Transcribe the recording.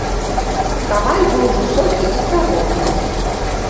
Каваль быў высокі і здаровы.